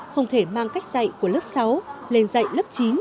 không thể mang cách dạy của lớp sáu lên dạy lớp chín